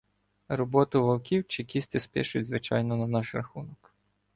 Роботу вовків чекісти спишуть, звичайно, на наш рахунок.